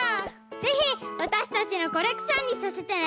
ぜひわたしたちのコレクションにさせてね。